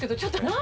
何？